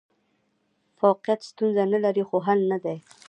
فوقیت ستونزه نه لري، خو حل نه دی.